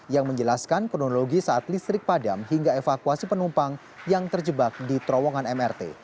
yang menjelaskan kronologi saat listrik padam hingga evakuasi penumpang yang terjebak di terowongan mrt